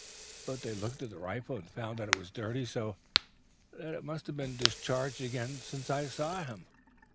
But they looked at the rifle, and found that it was dirty, so that it must have been discharged again since I saw him.